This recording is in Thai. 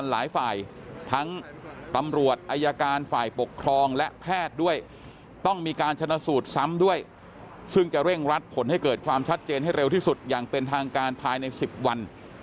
และรัดผลให้เกิดความชัดเจนให้เร็วที่สุดอย่างเป็นทางการภายใน๑๐วัน